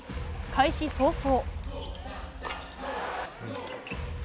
開始早々。